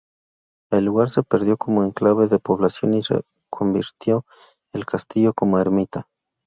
El lugar se perdió como enclave de población y reconvirtió el castillo como ermita.